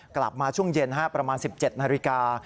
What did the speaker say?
กลับมาช่วงเย็นประมาณ๑๗นาฬิกา